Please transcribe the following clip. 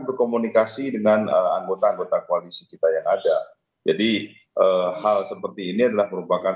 berkomunikasi dengan anggota anggota koalisi kita yang ada jadi hal seperti ini adalah merupakan